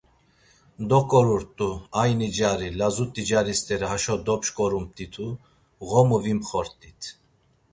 Dokorurt̆u, ayni cari, lazut̆i cari st̆eri haşo dopşǩorumt̆itu, ğomu vimxort̆it.